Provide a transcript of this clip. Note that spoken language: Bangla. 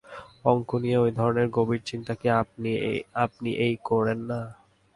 অঙ্ক নিয়ে ঐ ধরনের গভীর চিন্তা কি আপনি এই করেন না?